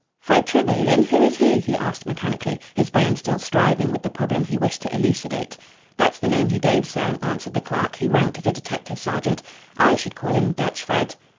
"Fred Trevelyan? Who is he?" he asked mechanically, his brain still striving with the problem he wished to elucidate. "That's the name he gave, sir," answered the clerk, who ranked as a detective sergeant. "I should call him Dutch Fred."